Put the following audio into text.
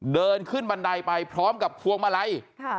เดินขึ้นบันไดไปพร้อมกับพวงมาลัย